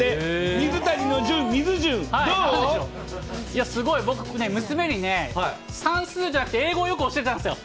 水谷の隼、いや、すごい、僕ね、娘にね、算数じゃなくて英語をよく教えてたんですよ。